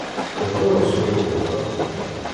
Петро розпитував далі.